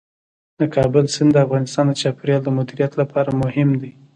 د کابل سیند د افغانستان د چاپیریال د مدیریت لپاره مهم دی.